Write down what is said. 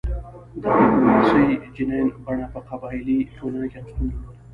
د ډیپلوماسي جنین بڼه په قبایلي ټولنه کې هم شتون درلود